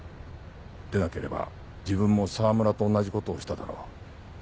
でなければ自分も澤村と同じことをしただろう。